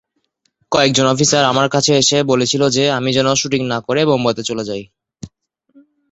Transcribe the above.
কয়েকজন অফিসার আমার কাছে এসে বলেছিল যে আমি যেন শুটিং না করে বোম্বেতে চলে যাই।